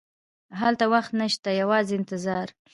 هلته وخت نه شته، یوازې انتظار.